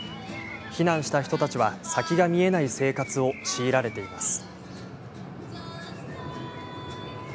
避難した人たちは先が見えない生活を強いられています。